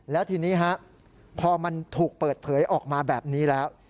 แล้วทีนี้พอมันถูกเปิดเผยออกมาแบบนี้แล้ว